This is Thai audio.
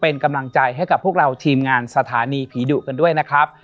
เป็นกำลังใจให้กับพวกเราทีมงานสถานีผีดุกันด้วยนะครับ